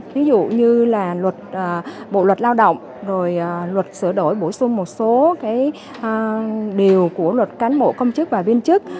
ví dụ như là luật bộ luật lao động rồi luật sửa đổi bổ sung một số cái điều của luật cán bộ công chức và viên chức